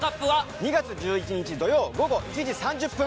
２月１１日土曜午後１時３０分から！